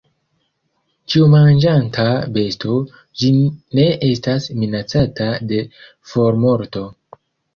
Ĉiomanĝanta besto, ĝi ne estas minacata de formorto.